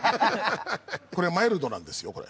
マイルドなんですよこれ。